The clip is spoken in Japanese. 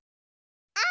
あ。